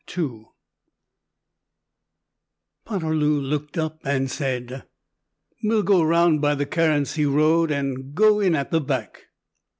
Poterloo looked up and said, "We'll go round by the Carency road and go in at the back."